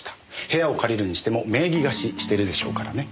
部屋を借りるにしても名義貸ししてるでしょうからね。